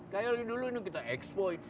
kayak dulu ini kita eksploi